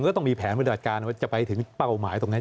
เราก็ต้องมีแผนวิทยาลัยการว่าจะไปถึงเป้าหมายตรงนั้น